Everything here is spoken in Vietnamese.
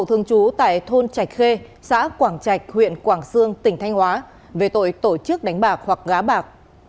đối tượng là đối tượng trạch khê xã quảng trạch huyện quảng sương tỉnh thanh hóa về tội tổ chức đánh bạc hoặc gá bạc